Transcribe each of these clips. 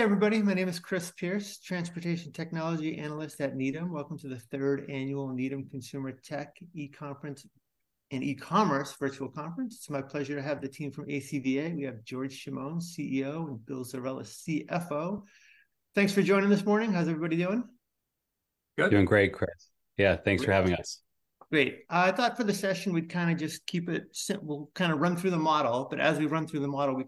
Hey, everybody. My name is Chris Pierce, Transportation Technology Analyst at Needham. Welcome to the third annual Needham Consumer Tech e-conference and e-commerce virtual conference. It's my pleasure to have the team from ACVA. We have George Chamoun, CEO, and Bill Zerella, CFO. Thanks for joining this morning. How's everybody doing? Good. Doing great, Chris. Yeah, thanks for having us. Great. I thought for the session, we'd kind of just keep it we'll kind of run through the model, but as we run through the model, we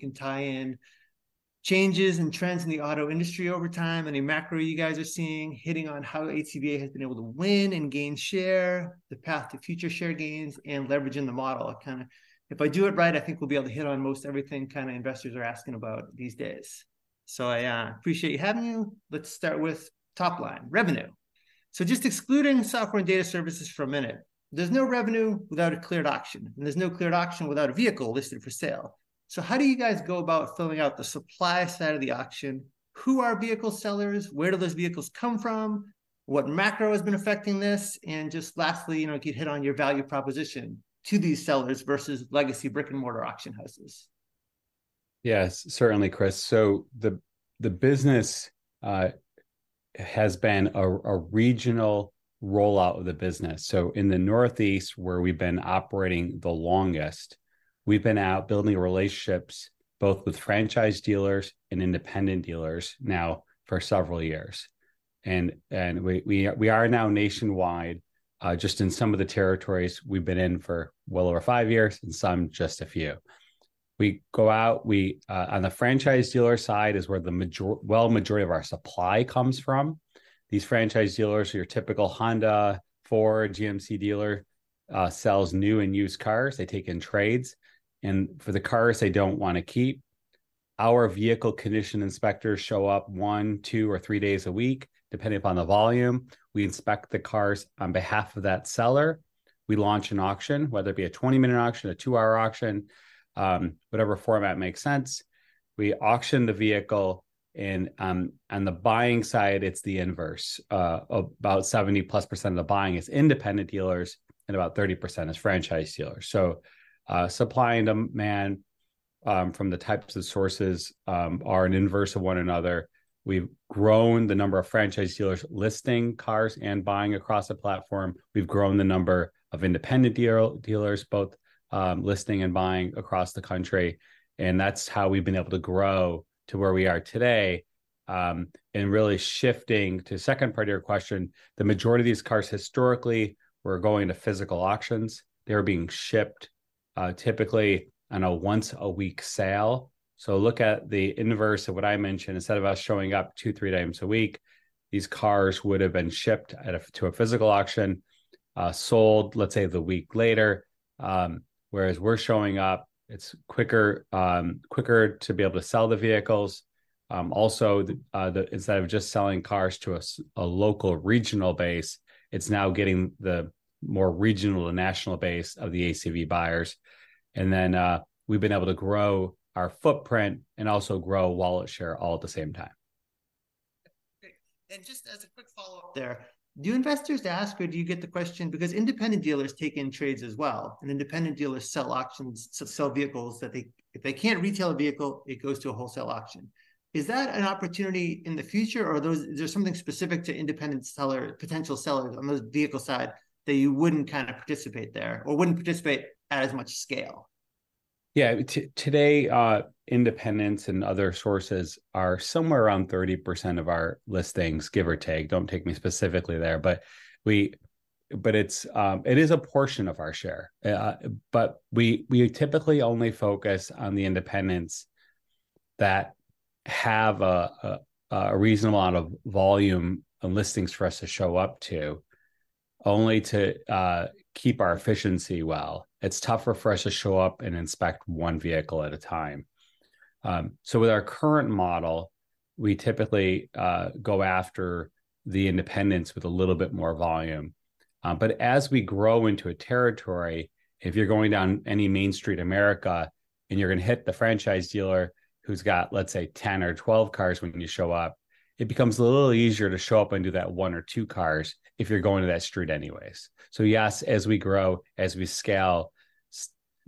can tie in changes and trends in the auto industry over time, any macro you guys are seeing, hitting on how ACVA has been able to win and gain share, the path to future share gains, and leveraging the model. Kind of if I do it right, I think we'll be able to hit on most everything kind of investors are asking about these days. So I appreciate having you. Let's start with top line, revenue. So just excluding software and data services for a minute, there's no revenue without a cleared auction, and there's no cleared auction without a vehicle listed for sale. So how do you guys go about filling out the supply side of the auction? Who are vehicle sellers? Where do those vehicles come from? What macro has been affecting this? And just lastly, you know, if you'd hit on your value proposition to these sellers versus legacy brick-and-mortar auction houses. Yes, certainly, Chris. So the business has been a regional rollout of the business. So in the Northeast, where we've been operating the longest, we've been out building relationships, both with franchise dealers and independent dealers now for several years. And we are now nationwide, just in some of the territories we've been in for well over five years, and some just a few. We go out. On the franchise dealer side is where the majority of our supply comes from. These franchise dealers, your typical Honda, Ford, GMC dealer, sells new and used cars. They take in trades, and for the cars they don't want to keep, our vehicle condition inspectors show up one, two, or three days a week, depending upon the volume. We inspect the cars on behalf of that seller. We launch an auction, whether it be a 20-minute auction, a two-hour auction, whatever format makes sense. We auction the vehicle, and on the buying side, it's the inverse. About 70%+ of the buying is independent dealers, and about 30% is franchise dealers. So, supply and demand from the types of sources are an inverse of one another. We've grown the number of franchise dealers listing cars and buying across the platform. We've grown the number of independent dealers, both listing and buying across the country, and that's how we've been able to grow to where we are today. And really shifting to the second part of your question, the majority of these cars historically were going to physical auctions. They were being shipped, typically on a once-a-week sale. So look at the inverse of what I mentioned. Instead of us showing up two, three times a week, these cars would've been shipped at a, to a physical auction, sold, let's say, the week later. Whereas we're showing up, it's quicker, quicker to be able to sell the vehicles. Also, instead of just selling cars to a local, regional base, it's now getting the more regional and national base of the ACV buyers. And then, we've been able to grow our footprint and also grow wallet share all at the same time. Great. And just as a quick follow-up there, do investors ask or do you get the question? Because independent dealers take in trades as well, and independent dealers sell at auctions, sell vehicles that they... If they can't retail a vehicle, it goes to a wholesale auction. Is that an opportunity in the future, or is there something specific to independent seller, potential sellers on the vehicle side that you wouldn't kind of participate there or wouldn't participate at as much scale? Yeah. Today, independents and other sources are somewhere around 30% of our listings, give or take. Don't take me specifically there, but but it's, it is a portion of our share. But we, we typically only focus on the independents that have a reasonable amount of volume and listings for us to show up to, only to keep our efficiency well. It's tougher for us to show up and inspect one vehicle at a time. So with our current model, we typically go after the independents with a little bit more volume. But as we grow into a territory, if you're going down any Main Street America, and you're gonna hit the franchise dealer who's got, let's say, 10 or 12 cars when you show up, it becomes a little easier to show up and do that one or two cars if you're going to that street anyways. So yes, as we grow, as we scale,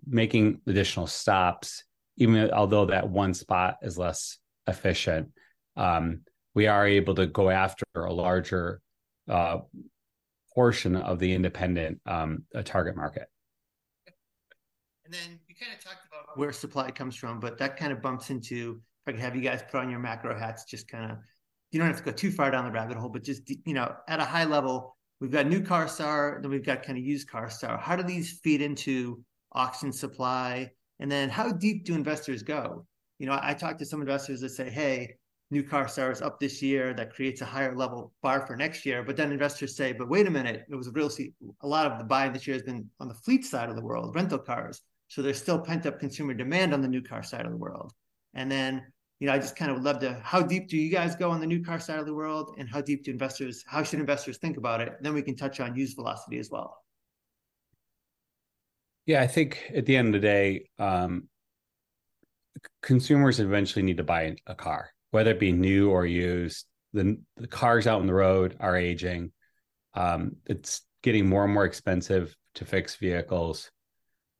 making additional stops, even although that one spot is less efficient, we are able to go after a larger portion of the independent target market. Then you kind of talked about where supply comes from, but that kind of bumps into, if I can have you guys put on your macro hats, just kind of... You don't have to go too far down the rabbit hole, but just you know, at a high level, we've got new car stock, then we've got kind of used car stock. How do these feed into auction supply, and then how deep do investors go? You know, I talked to some investors that say, "Hey, new car stock is up this year. That creates a higher level bar for next year." But then investors say, "But wait a minute, it was a real estate... A lot of the buying this year has been on the fleet side of the world, rental cars, so there's still pent-up consumer demand on the new car side of the world. And then, you know, I just kind of would love to... How deep do you guys go on the new car side of the world, and how deep do investors- how should investors think about it? Then we can touch on used velocity as well. Yeah, I think at the end of the day, consumers eventually need to buy a car, whether it be new or used. The cars out on the road are aging. It's getting more and more expensive to fix vehicles,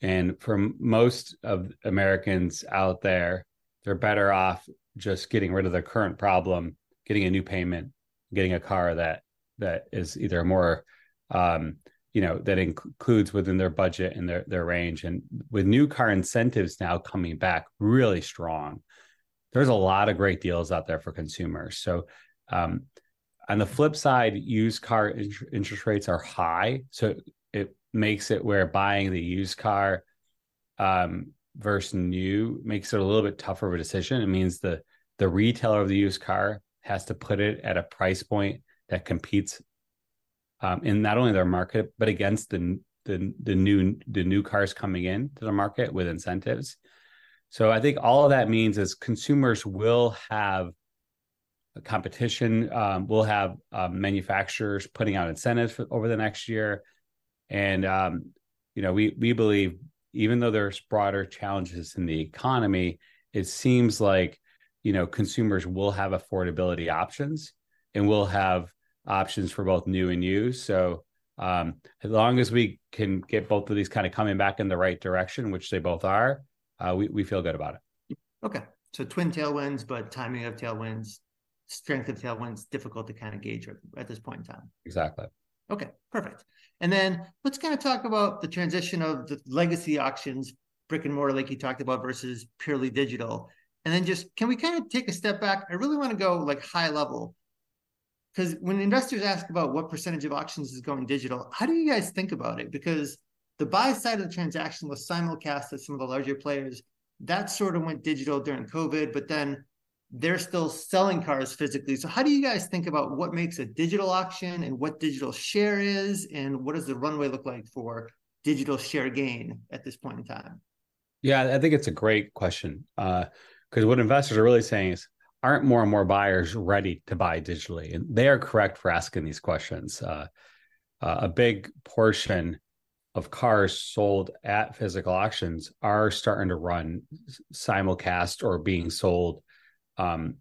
and for most of Americans out there, they're better off just getting rid of their current problem, getting a new payment, getting a car that is either more, you know, that includes within their budget and their range. And with new car incentives now coming back really strong, there's a lot of great deals out there for consumers. So, on the flip side, used car interest rates are high, so it makes it where buying the used car versus new makes it a little bit tougher of a decision. It means the retailer of the used car has to put it at a price point that competes in not only their market, but against the new cars coming into the market with incentives. So I think all of that means is consumers will have a competition, will have manufacturers putting out incentives for over the next year. And you know, we believe even though there's broader challenges in the economy, it seems like you know, consumers will have affordability options and will have options for both new and used. So as long as we can get both of these kind of coming back in the right direction, which they both are, we feel good about it. Okay. So twin tailwinds, but timing of tailwinds, strength of tailwinds, difficult to kind of gauge at this point in time? Exactly. Okay, perfect. And then let's kind of talk about the transition of the legacy auctions, brick-and-mortar, like you talked about, versus purely digital. And then just... Can we kind of take a step back? I really want to go, like, high level, 'cause when investors ask about what percentage of auctions is going digital, how do you guys think about it? Because the buy side of the transaction with simulcast at some of the larger players, that sort of went digital during COVID, but then they're still selling cars physically. So how do you guys think about what makes a digital auction and what digital share is, and what does the runway look like for digital share gain at this point in time? Yeah, I think it's a great question, 'cause what investors are really saying is, "Aren't more and more buyers ready to buy digitally?" And they are correct for asking these questions. A big portion of cars sold at physical auctions are starting to run Simulcast or being sold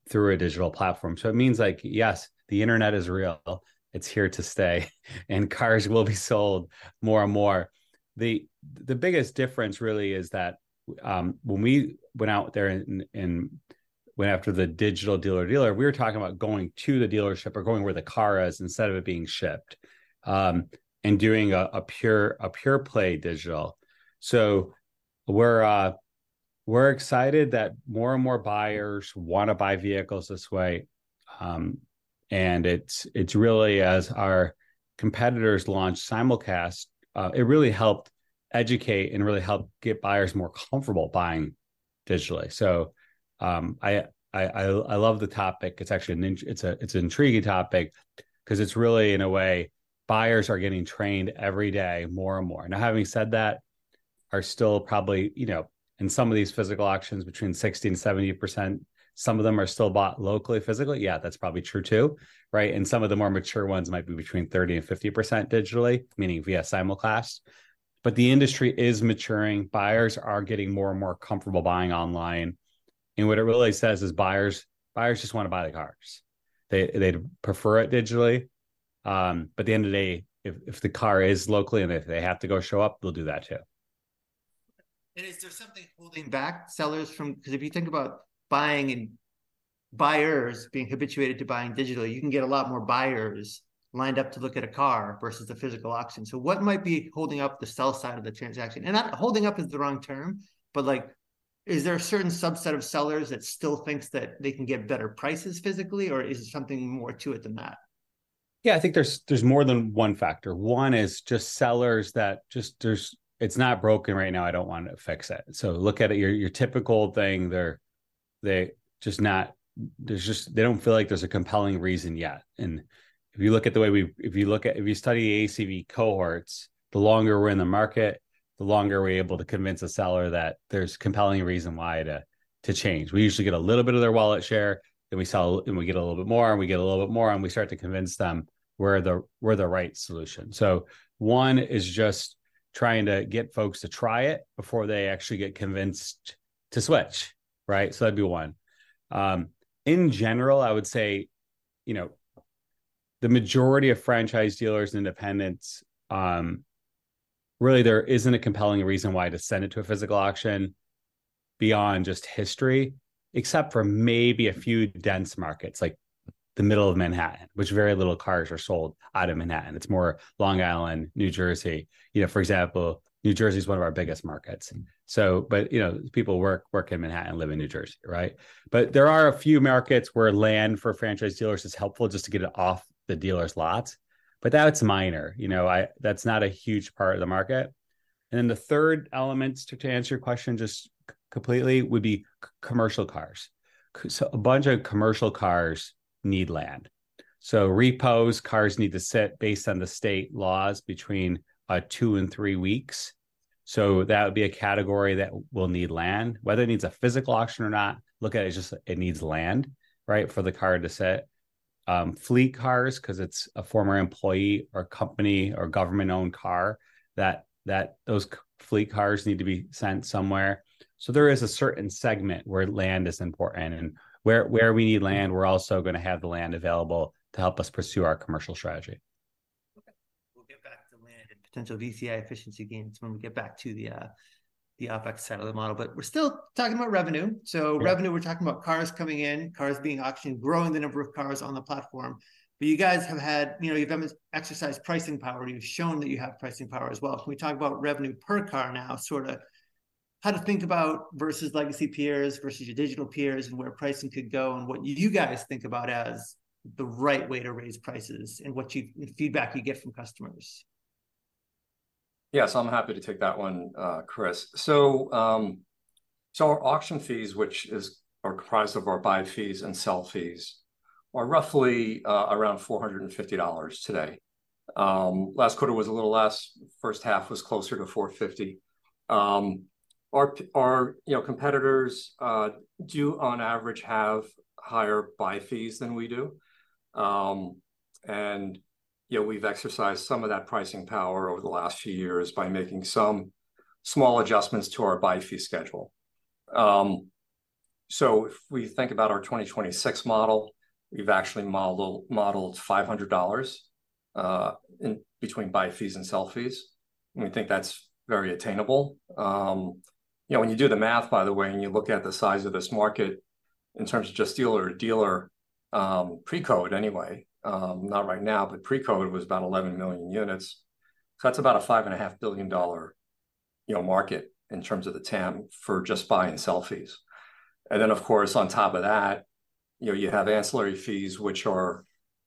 through a digital platform. So it means, like, yes, the internet is real. It's here to stay, and cars will be sold more and more. The biggest difference really is that, when we went out there and went after the digital dealer-dealer, we were talking about going to the dealership or going where the car is instead of it being shipped, and doing a pure, a pure-play digital. So we're excited that more and more buyers want to buy vehicles this way. And it's really as our competitors launch Simulcast, it really helped educate and really helped get buyers more comfortable buying digitally. So, I love the topic. It's actually an intriguing topic, 'cause it's really, in a way, buyers are getting trained every day more and more. Now, having said that, are still probably, you know, in some of these physical auctions, between 60%-70%, some of them are still bought locally, physically. Yeah, that's probably true, too, right? And some of the more mature ones might be between 30%-50% digitally, meaning via Simulcast, but the industry is maturing. Buyers are getting more and more comfortable buying online, and what it really says is buyers, buyers just want to buy the cars. They, they'd prefer it digitally, but at the end of the day, if the car is locally and if they have to go show up, they'll do that, too. Is there something holding back sellers from... 'Cause if you think about buying and buyers being habituated to buying digitally, you can get a lot more buyers lined up to look at a car versus the physical auction. So what might be holding up the sell side of the transaction? And not- holding up is the wrong term, but, like, is there a certain subset of sellers that still thinks that they can get better prices physically, or is there something more to it than that? Yeah, I think there's more than one factor. One is just sellers that just, "It's not broken right now. I don't want to fix it." So look at it, your typical thing there. They're just not. They don't feel like there's a compelling reason yet. And if you look at the way we... If you look at if you study ACV cohorts, the longer we're in the market, the longer we're able to convince a seller that there's compelling reason why to change. We usually get a little bit of their wallet share, then we sell, and we get a little bit more, and we get a little bit more, and we start to convince them we're the right solution. So one is just trying to get folks to try it before they actually get convinced to switch, right? So that'd be one. In general, I would say, you know, the majority of franchise dealers and independents, really there isn't a compelling reason why to send it to a physical auction beyond just history, except for maybe a few dense markets, like the middle of Manhattan, which very little cars are sold out of Manhattan. It's more Long Island, New Jersey. You know, for example, New Jersey is one of our biggest markets. So but, you know, people work in Manhattan and live in New Jersey, right? But there are a few markets where land for franchise dealers is helpful just to get it off the dealer's lot, but that's minor. You know, that's not a huge part of the market. And then the third element, to answer your question just completely, would be commercial cars. So a bunch of commercial cars need land. So repos, cars need to sit based on the state laws between two to three weeks, so that would be a category that will need land. Whether it needs a physical auction or not, look at it as just it needs land, right, for the car to sit. Fleet cars, 'cause it's a former employee or company or government-owned car, those fleet cars need to be sent somewhere. So there is a certain segment where land is important, and where we need land, we're also gonna have the land available to help us pursue our commercial strategy.... Okay, we'll get back to land and potential VCI efficiency gains when we get back to the, the OpEx side of the model. But we're still talking about revenue. Sure. So revenue, we're talking about cars coming in, cars being auctioned, growing the number of cars on the platform. But you guys have had, you know, you've exercised pricing power, you've shown that you have pricing power as well. Can we talk about revenue per car now, sort of how to think about versus legacy peers, versus your digital peers, and where pricing could go, and what you guys think about as the right way to raise prices, and what the feedback you get from customers? Yeah, so I'm happy to take that one, Chris. So, our auction fees, which is, are comprised of our buy fees and sell fees, are roughly around $450 today. Last quarter was a little less, first half was closer to $450. Our, you know, competitors do on average have higher buy fees than we do. And, you know, we've exercised some of that pricing power over the last few years by making some small adjustments to our buy fee schedule. So if we think about our 2026 model, we've actually modeled $500 in between buy fees and sell fees, and we think that's very attainable. You know, when you do the math, by the way, and you look at the size of this market in terms of just dealer to dealer, pre-COVID anyway, not right now, but pre-COVID was about 11 million units. So that's about a $5.5 billion, you know, market in terms of the TAM for just buy and sell fees. And then, of course, on top of that, you know, you have ancillary fees, which are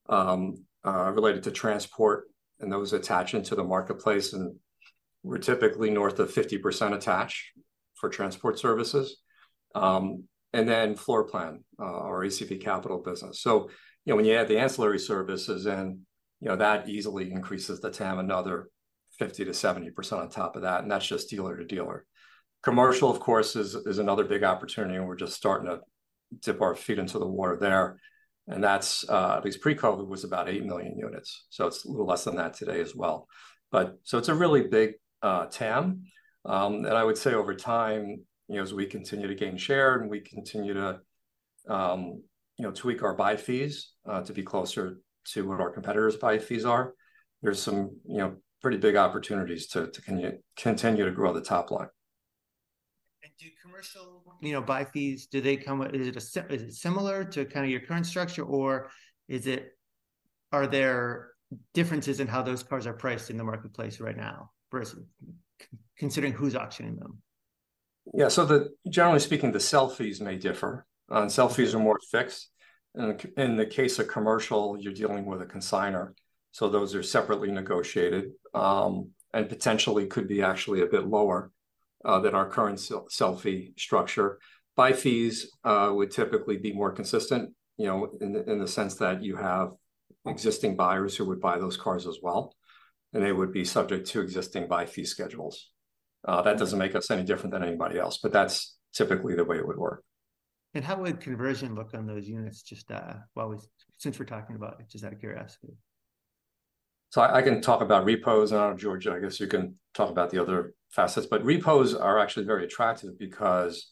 related to transport, and those attach into the marketplace, and we're typically north of 50% attach for transport services. And then floor plan, our ACV Capital business. So, you know, when you add the ancillary services in, you know, that easily increases the TAM another 50%-70% on top of that, and that's just dealer to dealer. Commercial, of course, is another big opportunity, and we're just starting to dip our feet into the water there. And that's at least pre-COVID was about 8 million units, so it's a little less than that today as well. But, so it's a really big TAM. And I would say over time, you know, as we continue to gain share, and we continue to, you know, tweak our buy fees to be closer to what our competitors' buy fees are, there's some, you know, pretty big opportunities to continue to grow the top line. Do commercial, you know, buy fees, do they come with... Is it similar to kind of your current structure, or are there differences in how those cars are priced in the marketplace right now versus considering who's auctioning them? Yeah, so generally speaking, the sell fees may differ. Sell fees are more fixed. In the case of commercial, you're dealing with a consignor, so those are separately negotiated, and potentially could be actually a bit lower than our current sell fee structure. Buy fees would typically be more consistent, you know, in the sense that you have existing buyers who would buy those cars as well, and they would be subject to existing buy fee schedules. That doesn't make us any different than anybody else, but that's typically the way it would work. How would conversion look on those units, just, while we... Since we're talking about it, just out of curiosity? So I can talk about repos, and I don't know, George, I guess you can talk about the other facets. But repos are actually very attractive because,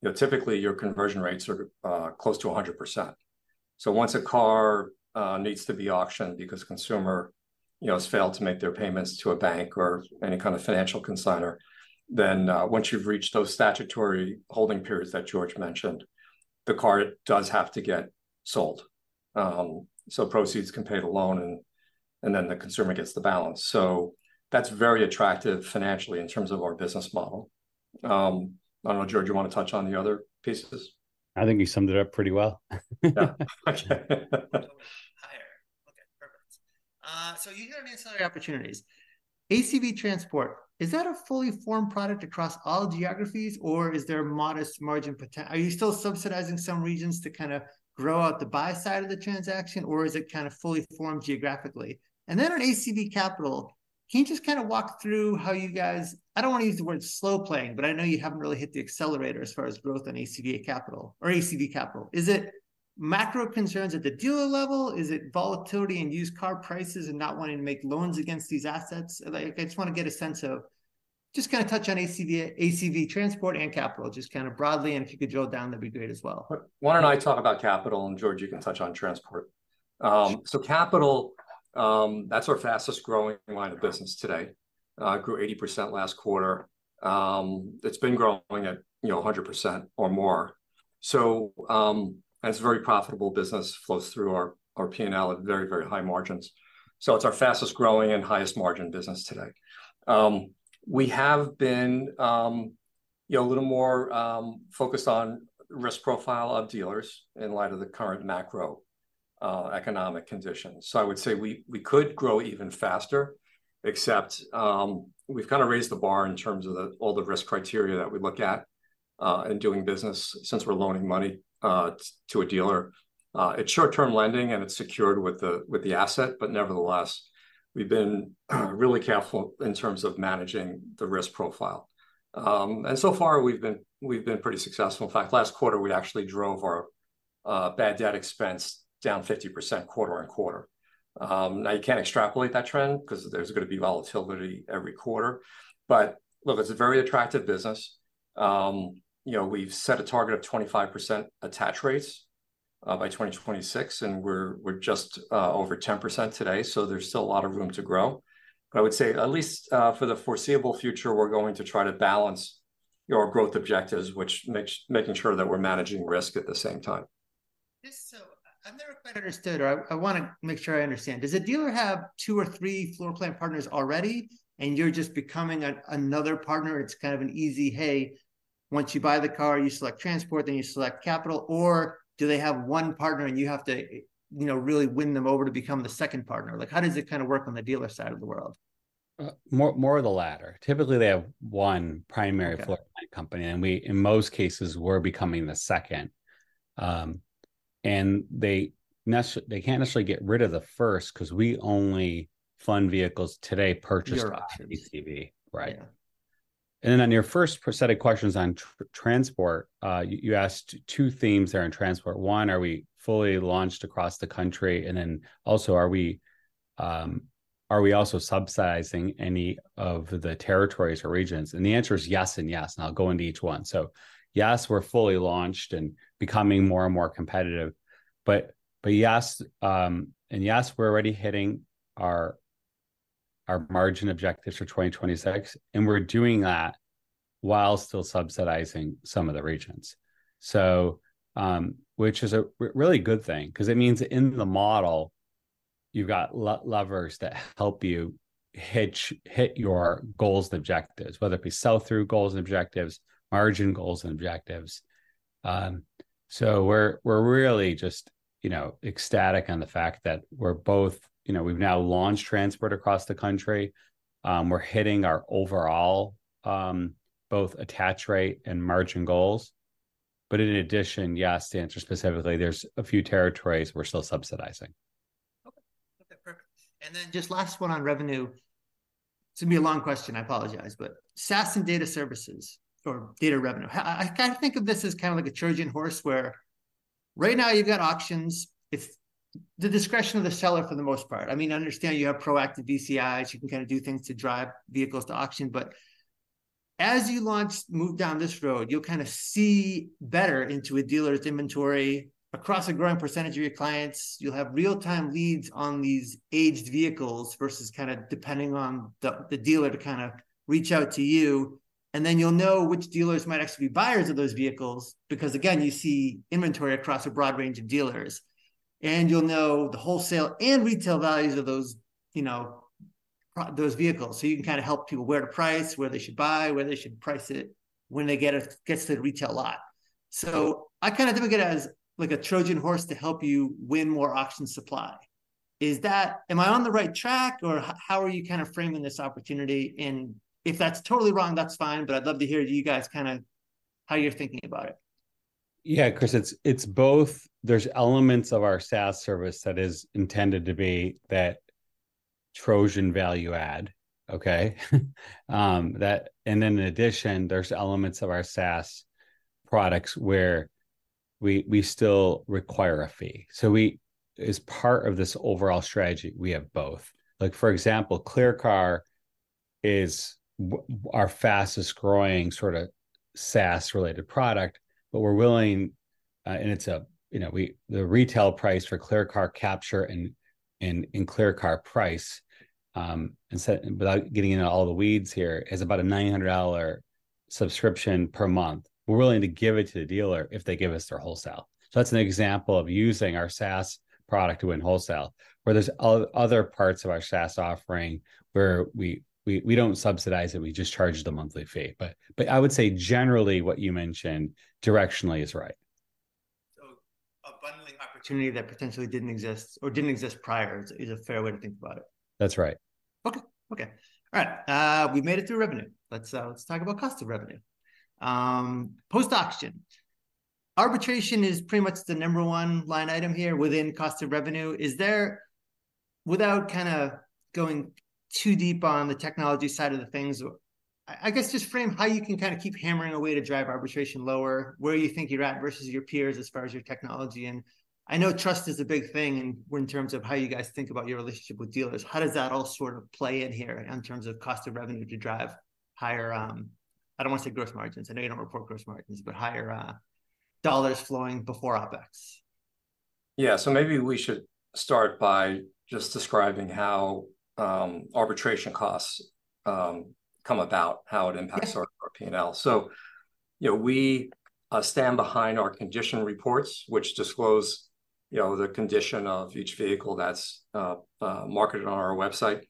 you know, typically, your conversion rates are close to 100%. So once a car needs to be auctioned because consumer, you know, has failed to make their payments to a bank or any kind of financial consignor, then once you've reached those statutory holding periods that George mentioned, the car does have to get sold. So proceeds can pay the loan, and, and then the consumer gets the balance. So that's very attractive financially in terms of our business model. I don't know, George, you want to touch on the other pieces? I think you summed it up pretty well. Yeah. Higher. Okay, perfect. So you hear the ancillary opportunities. ACV Transport, is that a fully formed product across all geographies, or are you still subsidizing some regions to kind of grow out the buy side of the transaction, or is it kind of fully formed geographically? And then on ACV Capital, can you just kind of walk through how you guys—I don't want to use the word slow playing, but I know you haven't really hit the accelerator as far as growth on ACV Capital, or ACV Capital. Is it macro concerns at the dealer level? Is it volatility in used car prices and not wanting to make loans against these assets? Like, I just want to get a sense of, just kind of touch on ACV, ACV Transport and Capital, just kind of broadly, and if you could drill down, that'd be great as well. Why don't I talk about capital, and George, you can touch on transport. So capital, that's our fastest-growing line of business today. It grew 80% last quarter. It's been growing at, you know, 100% or more. So, and it's a very profitable business, flows through our, our P&L at very, very high margins. So it's our fastest-growing and highest-margin business today. We have been, you know, a little more focused on risk profile of dealers in light of the current macro economic conditions. So I would say we, we could grow even faster, except, we've kind of raised the bar in terms of the, all the risk criteria that we look at, in doing business, since we're loaning money to a dealer. It's short-term lending, and it's secured with the, with the asset, but nevertheless, we've been really careful in terms of managing the risk profile. So far, we've been pretty successful. In fact, last quarter, we actually drove our bad debt expense down 50% quarter-over-quarter. Now, you can't extrapolate that trend, 'cause there's gonna be volatility every quarter, but look, it's a very attractive business. You know, we've set a target of 25% attach rates by 2026, and we're just over 10% today, so there's still a lot of room to grow. But I would say, at least for the foreseeable future, we're going to try to balance our growth objectives, which means making sure that we're managing risk at the same time. Just so, I've never quite understood, or I, I wanna make sure I understand: Does a dealer have two or three floor plan partners already, and you're just becoming a- another partner? It's kind of an easy, "Hey, once you buy the car, you select transport, then you select Capital," or do they have one partner, and you have to, you know, really win them over to become the second partner? Like, how does it kind of work on the dealer side of the world? More, more of the latter. Typically, they have one primary- Okay... floor plan company, and we, in most cases, we're becoming the second. And they can't necessarily get rid of the first, 'cause we only fund vehicles today purchased through ACV. Right. Yeah. And then on your first set of questions on transport, you asked two themes there on transport. One, are we fully launched across the country? And then also, are we also subsidizing any of the territories or regions? And the answer is yes and yes, and I'll go into each one. So yes, we're fully launched and becoming more and more competitive, but, but yes. And yes, we're already hitting our margin objectives for 2026, and we're doing that while still subsidizing some of the regions. So, which is a really good thing, 'cause it means in the model, you've got levers that help you hit your goals and objectives, whether it be sell-through goals and objectives, margin goals and objectives. So we're really just, you know, ecstatic on the fact that we're both... You know, we've now launched transport across the country. We're hitting our overall, both attach rate and margin goals. But in addition, yes, to answer specifically, there's a few territories we're still subsidizing. Okay. Okay, perfect. And then just last one on revenue. It's gonna be a long question, I apologize, but SaaS and data services or data revenue, kind of think of this as kind of like a Trojan horse, where right now you've got auctions. It's the discretion of the seller for the most part. I mean, I understand you have proactive VCIs. You can kind of do things to drive vehicles to auction. But as you launch, move down this road, you'll kind of see better into a dealer's inventory across a growing percentage of your clients. You'll have real-time leads on these aged vehicles versus kind of depending on the dealer to kind of reach out to you, and then you'll know which dealers might actually be buyers of those vehicles because, again, you see inventory across a broad range of dealers. You'll know the wholesale and retail values of those, you know, those vehicles, so you can kind of help people where to price, where they should buy, where they should price it, when it gets to the retail lot. So I kind of look at it as like a Trojan horse to help you win more auction supply. Is that? Am I on the right track, or how are you kind of framing this opportunity? And if that's totally wrong, that's fine, but I'd love to hear you guys', kind of how you're thinking about it. Yeah, Chris, it's both. There's elements of our SaaS service that is intended to be that Trojan value add, okay? That, and then in addition, there's elements of our SaaS products where we still require a fee. So we, as part of this overall strategy, we have both. Like, for example, ClearCar is our fastest-growing sort of SaaS-related product, but we're willing, and it's a... You know, the retail price for ClearCar Capture and ClearCar Price, without getting into all the weeds here, is about a $900 subscription per month. We're willing to give it to the dealer if they give us their wholesale. So that's an example of using our SaaS product to win wholesale. Where there's other parts of our SaaS offering, where we don't subsidize it, we just charge the monthly fee. But I would say generally what you mentioned, directionally, is right. So a bundling opportunity that potentially didn't exist or didn't exist prior is a fair way to think about it? That's right. Okay, okay. All right, we've made it through revenue. Let's, let's talk about cost of revenue. Post-auction. Arbitration is pretty much the number one line item here within cost of revenue. Is there, without kind of going too deep on the technology side of the things, I guess just frame how you can kind of keep hammering away to drive arbitration lower, where you think you're at versus your peers as far as your technology. And I know trust is a big thing in terms of how you guys think about your relationship with dealers. How does that all sort of play in here in terms of cost of revenue to drive higher... I don't want to say gross margins. I know you don't report gross margins, but higher, dollars flowing before OpEx? Yeah, so maybe we should start by just describing how, arbitration costs, come about, how it impacts our- Yeah... our P&L. So, you know, we stand behind our condition reports, which disclose, you know, the condition of each vehicle that's marketed on our website.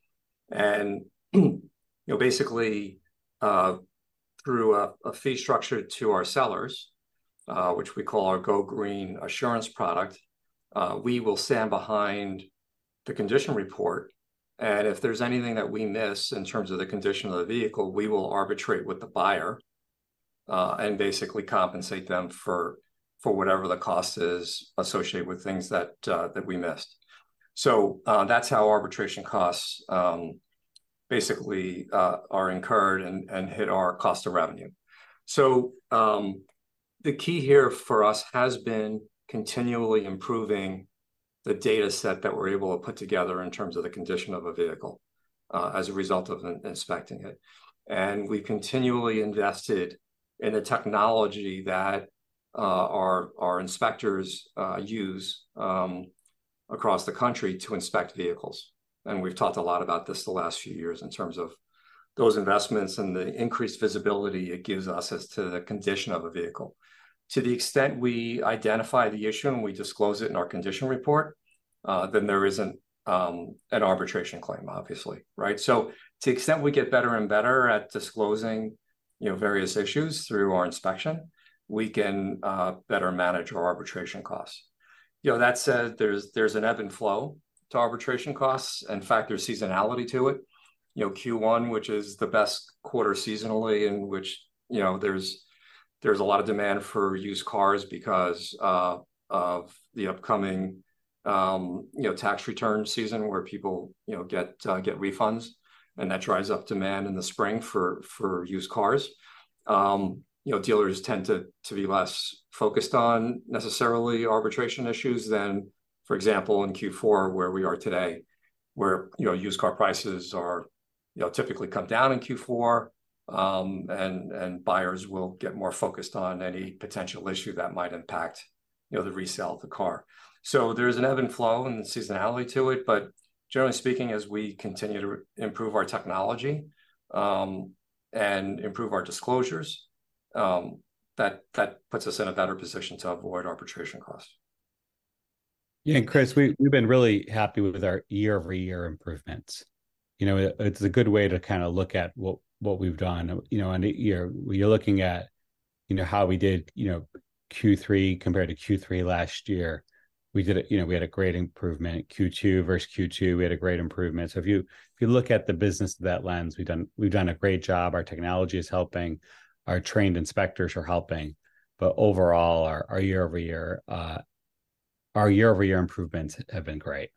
And, you know, basically, through a fee structure to our sellers, which we call our Go Green Assurance product, we will stand behind the condition report, and if there's anything that we miss in terms of the condition of the vehicle, we will arbitrate with the buyer, and basically compensate them for whatever the cost is associated with things that we missed. So, that's how arbitration costs basically are incurred and hit our cost of revenue. So, the key here for us has been continually improving-... The data set that we're able to put together in terms of the condition of a vehicle, as a result of inspecting it. And we've continually invested in the technology that our inspectors use across the country to inspect vehicles, and we've talked a lot about this the last few years in terms of those investments and the increased visibility it gives us as to the condition of a vehicle. To the extent we identify the issue and we disclose it in our condition report, then there isn't an arbitration claim, obviously, right? So to the extent we get better and better at disclosing, you know, various issues through our inspection, we can better manage our arbitration costs. You know, that said, there's an ebb and flow to arbitration costs. In fact, there's seasonality to it. You know, Q1, which is the best quarter seasonally, in which, you know, there's a lot of demand for used cars because of the upcoming, you know, tax return season, where people, you know, get refunds, and that drives up demand in the spring for used cars. You know, dealers tend to be less focused on necessarily arbitration issues than, for example, in Q4, where we are today, where, you know, used car prices are, you know, typically come down in Q4, and buyers will get more focused on any potential issue that might impact, you know, the resale of the car. So there's an ebb and flow and a seasonality to it, but generally speaking, as we continue to improve our technology, and improve our disclosures, that, that puts us in a better position to avoid arbitration costs. Yeah, and Chris, we've been really happy with our year-over-year improvements. You know, it's a good way to kinda look at what we've done. You know, and you're looking at, you know, how we did, you know, Q3 compared to Q3 last year. We did it, you know, we had a great improvement. Q2 versus Q2, we had a great improvement. So if you look at the business through that lens, we've done a great job. Our technology is helping. Our trained inspectors are helping. But overall, our year-over-year improvements have been great.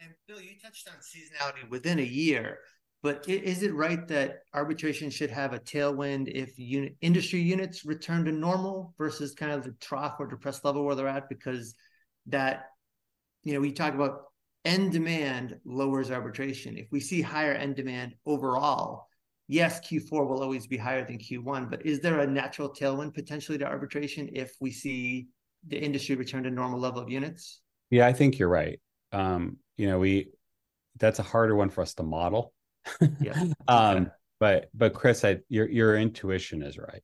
And Bill, you touched on seasonality within a year, but is it right that arbitration should have a tailwind if industry units return to normal versus kind of the trough or depressed level where they're at? Because that... You know, we talk about end demand lowers arbitration. If we see higher end demand overall, yes, Q4 will always be higher than Q1, but is there a natural tailwind, potentially, to arbitration if we see the industry return to normal level of units? Yeah, I think you're right. You know, that's a harder one for us to model. Yeah. But Chris, your intuition is right.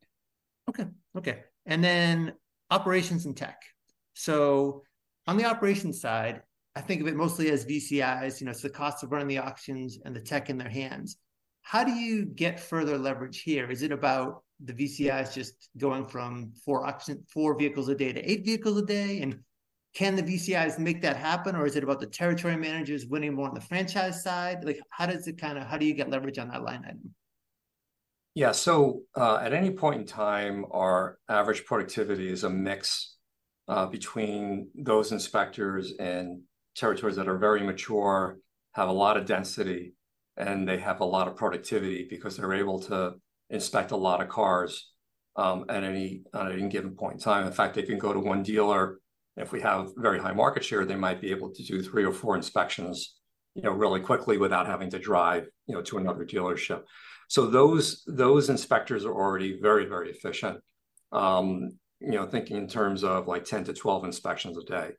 Okay, okay. And then operations and tech. So on the operations side, I think of it mostly as VCIs, you know, so the cost of running the auctions and the tech in their hands. How do you get further leverage here? Is it about the VCIs just going from four vehicles a day to eight vehicles a day, and can the VCIs make that happen, or is it about the territory managers winning more on the franchise side? Like, how does it kinda, how do you get leverage on that line item? Yeah, so, at any point in time, our average productivity is a mix between those inspectors and territories that are very mature, have a lot of density, and they have a lot of productivity because they're able to inspect a lot of cars at any given point in time. In fact, they can go to one dealer. If we have very high market share, they might be able to do three or four inspections, you know, really quickly without having to drive, you know, to another dealership. So those inspectors are already very, very efficient. You know, thinking in terms of, like, 10-12 inspections a day.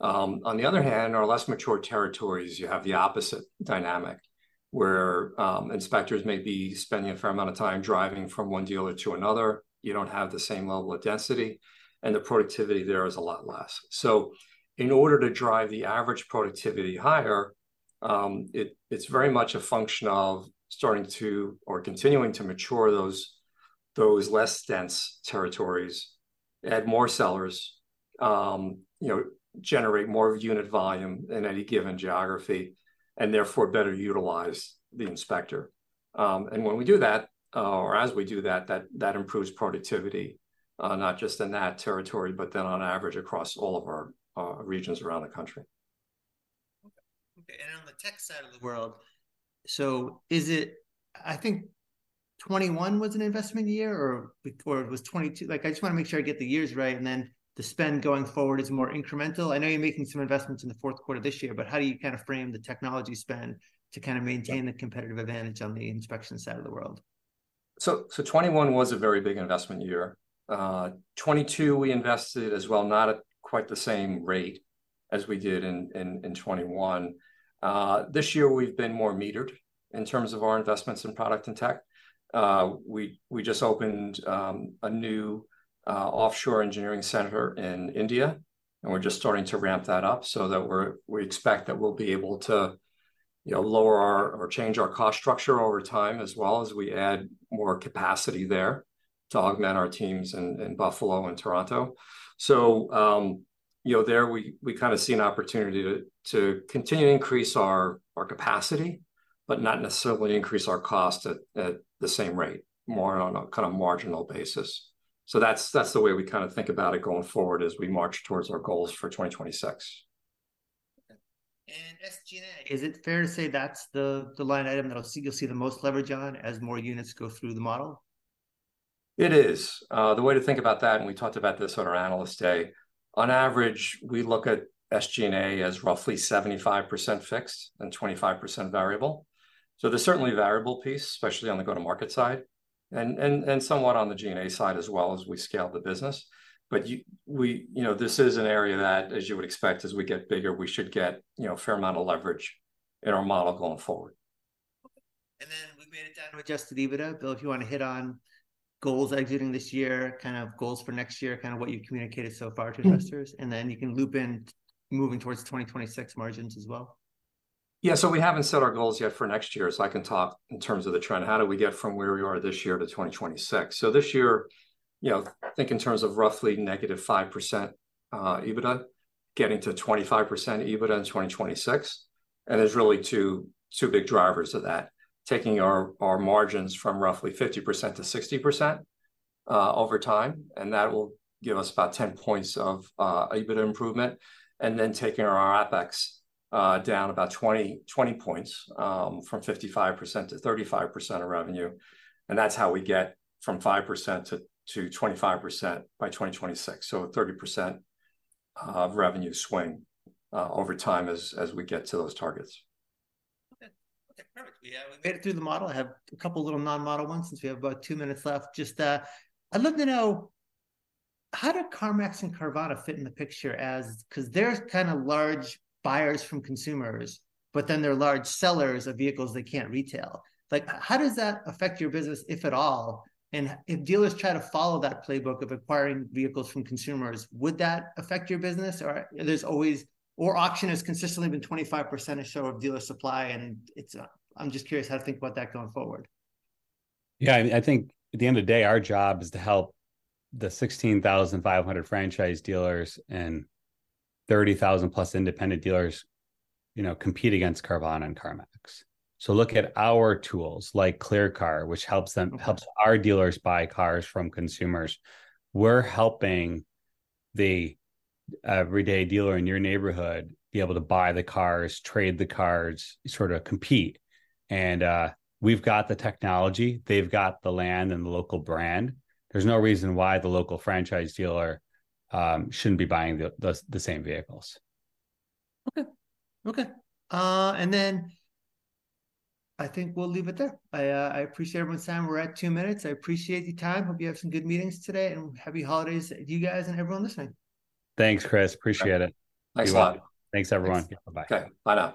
On the other hand, our less mature territories, you have the opposite dynamic, where inspectors may be spending a fair amount of time driving from one dealer to another. You don't have the same level of density, and the productivity there is a lot less. So in order to drive the average productivity higher, it's very much a function of starting to or continuing to mature those less dense territories, add more sellers, you know, generate more unit volume in any given geography, and therefore better utilize the inspector. And when we do that, or as we do that, that improves productivity, not just in that territory, but then on average across all of our regions around the country. Okay, and on the tech side of the world, so is it... I think 2021 was an investment year, or before it was 2022. Like, I just wanna make sure I get the years right, and then the spend going forward is more incremental. I know you're making some investments in the fourth quarter of this year, but how do you kind of frame the technology spend to kind of maintain- Yeah... the competitive advantage on the inspection side of the world? So, so 2021 was a very big investment year. 2022 we invested as well, not at quite the same rate as we did in 2021. This year we've been more metered in terms of our investments in product and tech. We just opened a new offshore engineering center in India, and we're just starting to ramp that up so that we expect that we'll be able to, you know, lower our, or change our cost structure over time, as well as we add more capacity there to augment our teams in Buffalo and Toronto. So, you know, there we kind of see an opportunity to continue to increase our capacity, but not necessarily increase our cost at the same rate, more on a kind of marginal basis. So that's, that's the way we kinda think about it going forward as we march towards our goals for 2026.... SG&A, is it fair to say that's the line item you'll see the most leverage on as more units go through the model? It is. The way to think about that, and we talked about this on our Analyst Day, on average, we look at SG&A as roughly 75% fixed and 25% variable. So there's certainly a variable piece, especially on the go-to-market side, and somewhat on the G&A side as well as we scale the business. But we, you know, this is an area that, as you would expect, as we get bigger, we should get, you know, a fair amount of leverage in our model going forward. Okay. And then we made it down to Adjusted EBITDA. Bill, if you wanna hit on goals exiting this year, kind of goals for next year, kind of what you've communicated so far to investors. Mm. Then you can loop in moving towards 2026 margins as well. Yeah, so we haven't set our goals yet for next year, so I can talk in terms of the trend. How do we get from where we are this year to 2026? So this year, you know, think in terms of roughly -5%, EBITDA, getting to 25% EBITDA in 2026, and there's really two, two big drivers of that. Taking our, our margins from roughly 50%-60%, over time, and that will give us about 10 points of, EBITDA improvement, and then taking our OpEx, down about 20, 20 points, from 55%-35% of revenue, and that's how we get from 5%-25% by 2026, so a 30%, revenue swing, over time as, as we get to those targets. Okay. Okay, perfect. We made it through the model. I have a couple little non-model ones since we have about two minutes left. Just, I'd love to know, how do CarMax and Carvana fit in the picture as... 'Cause they're kind of large buyers from consumers, but then they're large sellers of vehicles they can't retail. Like, how does that affect your business, if at all? And if dealers try to follow that playbook of acquiring vehicles from consumers, would that affect your business, or there's always... Or auction has consistently been 25% or so of dealer supply, and it's, I'm just curious how to think about that going forward. Yeah, I think at the end of the day, our job is to help the 16,500 franchise dealers and 30,000+ independent dealers, you know, compete against Carvana and CarMax. So look at our tools, like ClearCar, which helps them- Mm... helps our dealers buy cars from consumers. We're helping the everyday dealer in your neighborhood be able to buy the cars, trade the cars, sort of compete, and we've got the technology, they've got the land and the local brand. There's no reason why the local franchise dealer shouldn't be buying the same vehicles. Okay. Okay, and then I think we'll leave it there. I, I appreciate everyone's time. We're at two minutes. I appreciate the time. Hope you have some good meetings today, and happy holidays to you guys and everyone listening. Thanks, Chris. Appreciate it. Thanks a lot. Thanks, everyone. Thanks. Bye-bye. Okay. Bye now.